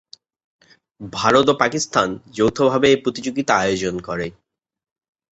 ভারত ও পাকিস্তান যৌথভাবে এ প্রতিযোগিতা আয়োজন করে।